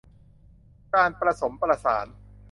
การประสมประสาน